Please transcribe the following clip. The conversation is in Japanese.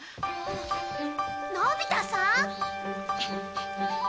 のび太さん？